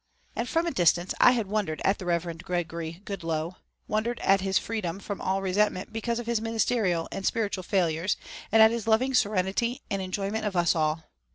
And from a distance I had wondered at the Reverend Gregory Goodloe, wondered at his freedom from all resentment because of his ministerial and spiritual failures and at his loving serenity and enjoyment of us all.